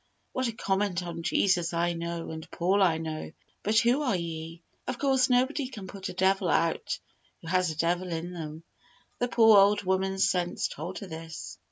What a comment on "Jesus I know, and Paul I know; but who are ye?" Of course, nobody can put a devil out who has a devil in them. The poor old woman's sense told her this.